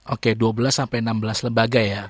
oke dua belas sampai enam belas lembaga ya